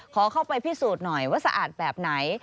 ขอเข้าไปพิสูจน์หน่อยว่าสะอาดแบบไหน